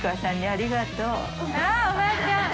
あっおばあちゃん！